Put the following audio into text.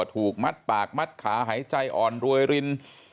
ถูกมัดปากมัดขาหายใจอ่อนรวยริน